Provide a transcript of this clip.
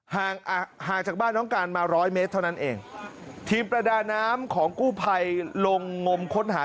ห่างห่างจากบ้านน้องการมาร้อยเมตรเท่านั้นเองทีมประดาน้ำของกู้ภัยลงงมค้นหา